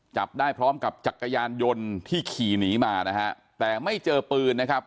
จับได้พร้อมกับจักรยานยนต์ที่ขี่หนีมานะฮะแต่ไม่เจอปืนนะครับ